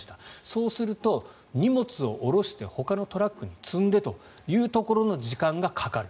そうすると、荷物を下ろしてほかのトラックに積んでというところの時間がかかる。